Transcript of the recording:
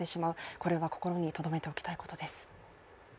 これは心にとどめておきたいことです。